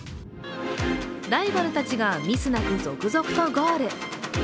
ライバルたちがミスなく続々とゴール。